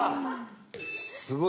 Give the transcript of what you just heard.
すごい。